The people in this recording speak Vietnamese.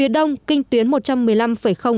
một trăm một mươi năm độ kinh đông